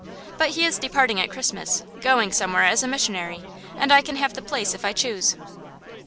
But he is departing at Christmas going somewhere as a missionary; and I can have the place if I choose.